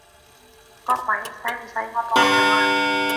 各位，使唔使我幫手啊？